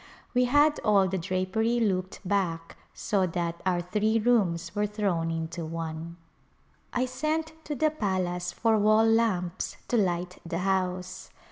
We had all the drapery looped back so that our three rooms were thrown into one. I sent to the palace for wall lamps to light the house.